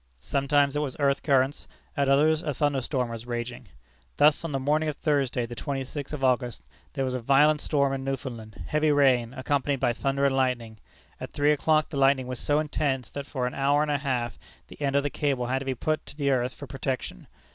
Sometimes it was earth currents; at others, a thunderstorm was raging. Thus, on the morning of Thursday, the twenty sixth of August, there was a violent storm in Newfoundland, heavy rain, accompanied by thunder and lightning. At three o'clock, the lightning was so intense that for an hour and a half the end of the cable had to be put to the earth for protection.